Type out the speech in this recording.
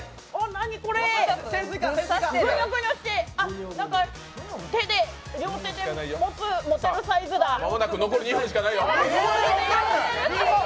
何これ、ぐにょぐにょして両手で持てるサイズだ間もなく残り２分しかないよ